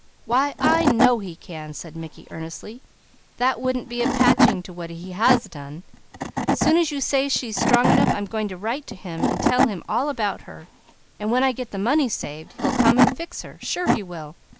"Why I know he can!" said Mickey earnestly. "That wouldn't be a patching to what he has done! Soon as you say she is strong enough, I'm going to write to him and tell him all about her, and when I get the money saved, he'll come and fix her. Sure he will!"